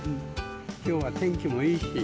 きょうは天気もいいし。